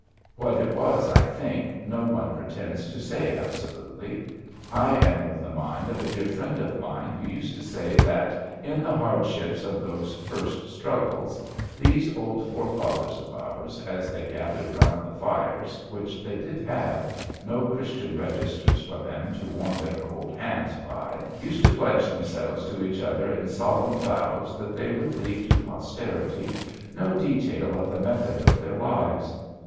What it was, I think no one pretends to say absolutely. I am of the mind of a dear friend of mine, who used to say that, in the hardships of those first struggles, these old forefathers of ours, as they gathered round the fires (which they did have no Christian Registers for them to warm their cold hands by), used to pledge themselves to each other in solemn vows that they would leave to posterity no detail of the method of their lives.